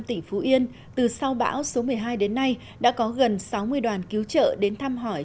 tỉnh phú yên từ sau bão số một mươi hai đến nay đã có gần sáu mươi đoàn cứu trợ đến thăm hỏi